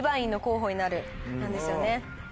なんですよね。